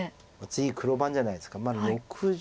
次黒番じゃないですか。